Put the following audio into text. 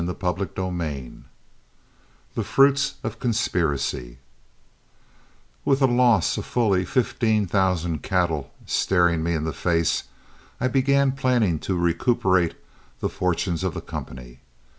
CHAPTER XXI THE FRUITS OF CONSPIRACY With a loss of fully fifteen thousand cattle staring me in the face, I began planning to recuperate the fortunes of the company.